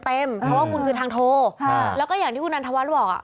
เพราะว่าคุณคือทางโทรค่ะแล้วก็อย่างที่คุณนันทวัฒน์บอกอ่ะ